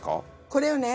これよね。